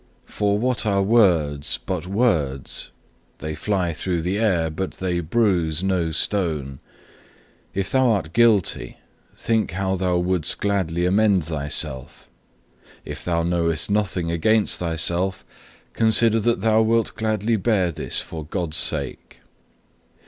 For what are words but words? They fly through the air, but they bruise no stone. If thou are guilty, think how thou wouldst gladly amend thyself; if thou knowest nothing against thyself, consider that thou wilt gladly bear this for God's sake.